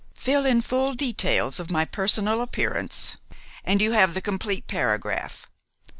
Fill in full details of my personal appearance, and you have the complete paragraph.